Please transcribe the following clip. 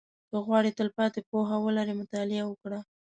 • که غواړې تلپاتې پوهه ولرې، مطالعه وکړه.